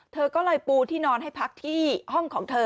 เธอก็เลยปูที่นอนให้พักที่ห้องของเธอ